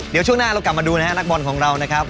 เดี๋ยวช่วงหน้าเรากลับมาดูนะครับนักบอลของเรานะครับ